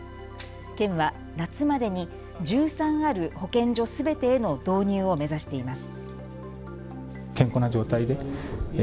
県は夏までに１３ある保健所すべてへの導入を目指しています。